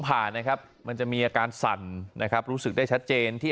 ผ่านนะครับมันจะมีอาการสั่นนะครับรู้สึกได้ชัดเจนที่